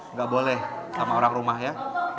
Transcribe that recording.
nggak boleh sama orang rumah ya